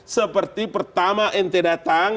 seperti pertama ente datang